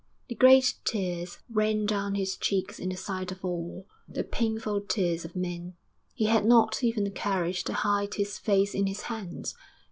The great tears ran down his cheeks in the sight of all the painful tears of men; he had not even the courage to hide his face in his hands.